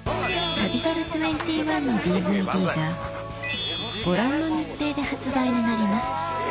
『旅猿２１』のＤＶＤがご覧の日程で発売になります